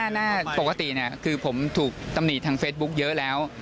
หน้าปกติคือผมถูกตำหนิทางเฟซบุ๊คเยอะแล้ว